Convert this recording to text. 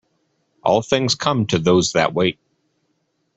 All things come to those that wait.